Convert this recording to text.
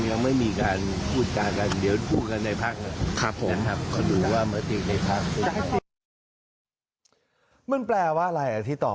มันแปลอะไรที่ตอบ